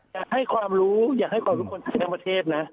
อยากให้ความรู้อยากให้ความทุกคนทั้งประเทศนะ